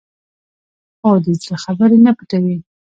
خور د زړه خبرې نه پټوي.